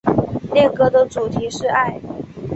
恋歌的主题是爱。